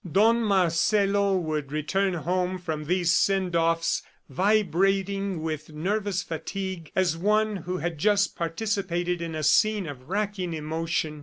Don Marcelo would return home from these send offs vibrating with nervous fatigue, as one who had just participated in a scene of racking emotion.